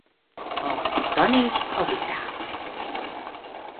A Tanítsd a vitát!